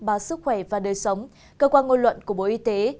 báo sức khỏe và đời sống cơ quan ngôn luận của bộ y tế